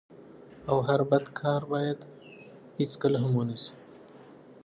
او هر بد کار بايد هيڅکله هم و نه سي.